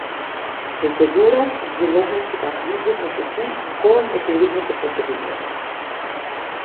Procedurat zhvillohen sipas ligjit në fuqi në kohën e fillimit të procedurës.